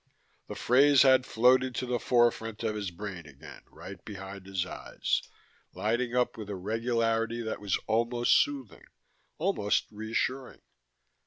The phrase had floated to the forefront of his brain again, right behind his eyes, lighting up with a regularity that was almost soothing, almost reassuring.